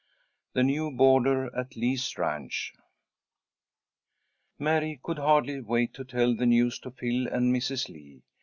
THE NEW BOARDER AT LEE'S RANCH Mary could hardly wait to tell the news to Phil and Mrs. Lee.